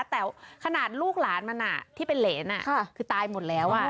แต่ขนาดลูกหลานมันที่เป็นเหรนคือตายหมดแล้ว